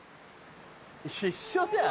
一緒じゃん。